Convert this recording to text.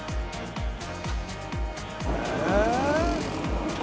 え！